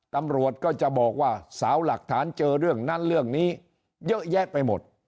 ตำรวจก็จะบอกว่าสาวหลักฐานเจอเรื่องนั้นเรื่องนี้เยอะแยะไปหมด